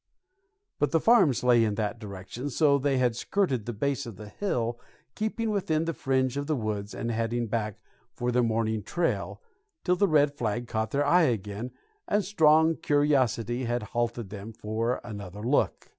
But the farms lay in that direction, so they had skirted the base of the hill, keeping within the fringe of woods and heading back for their morning trail, till the red flag caught their eye again, and strong curiosity had halted them for another look.